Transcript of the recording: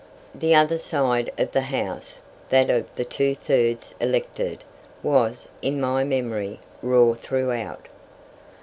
The other side of the House, that of the two thirds elected, was, in my memory, raw throughout.